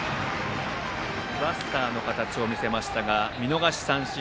バスターの形を見せましたが見逃し三振。